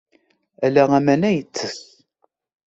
Ala aman ay yettess.